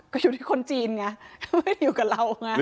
ก็อยู่ที่คนจีนไงก็ไม่ได้อยู่กับเราไง